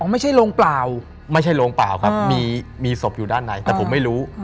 ไม่ใช่โรงเปล่าไม่ใช่โรงเปล่าครับมีศพอยู่ด้านในแต่ผมไม่รู้